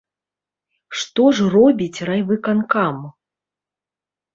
Што ж робіць райвыканкам?